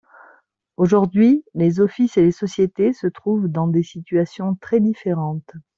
Aujourd’hui, les offices et les sociétés se trouvent dans des situations très différentes.